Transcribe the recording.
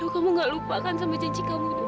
kamu gak lupakan sama janji kamu